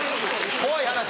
怖い話？